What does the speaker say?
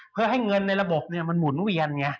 เพื่อให้เงินในระบบเนี่ยมันหมุนเวียนเนี่ย